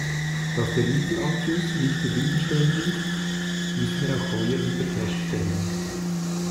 Dass der Mittelabfluss nicht zufriedenstellend ist, müssen wir auch heuer wieder feststellen.